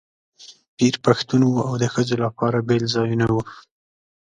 پیر پښتون و او د ښځو لپاره بېل ځایونه وو.